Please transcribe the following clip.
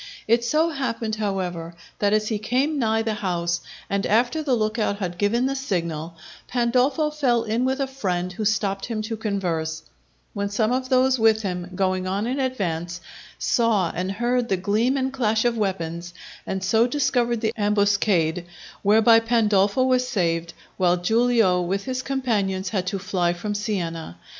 It so happened however, that as he came nigh the house, and after the look out had given the signal, Pandolfo fell in with a friend who stopped him to converse; when some of those with him, going on in advance, saw and heard the gleam and clash of weapons, and so discovered the ambuscade; whereby Pandolfo was saved, while Giulio with his companions had to fly from Siena.